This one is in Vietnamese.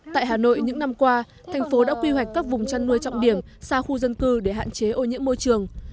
tại hà nội những năm qua thành phố đã quy hoạch các vùng chăn nuôi trọng điểm xa khu dân cư để hạn chế ô nhiễm môi trường